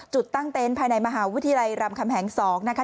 ตั้งเต็นต์ภายในมหาวิทยาลัยรามคำแหง๒นะคะ